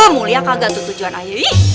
mulia kagak tuh tujuan ayah